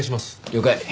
了解。